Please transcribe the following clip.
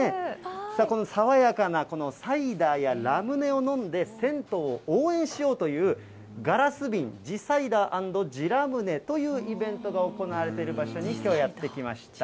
この爽やかなサイダーやラムネを飲んで、銭湯を応援しようという、ガラスびん地サイダー＆地ラムネというイベントが行われている場所に、きょうはやって来ました。